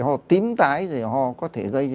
ho tím tái ho có thể gây